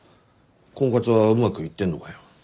婚活はうまくいってるのかよ？